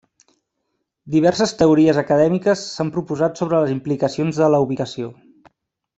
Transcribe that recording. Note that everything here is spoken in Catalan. Diverses teories acadèmiques s'han proposat sobre les implicacions de la ubicació.